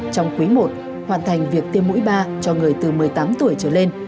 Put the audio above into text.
trong quý i hoàn thành việc tiêm mũi ba cho người từ một mươi tám tuổi trở lên